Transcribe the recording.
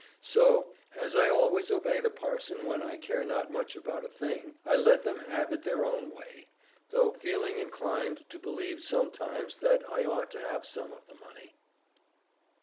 So, as I always obey the parson when I care not much about a thing, I let them have it their own way, though feeling inclined to believe sometimes that I ought to have some of the money.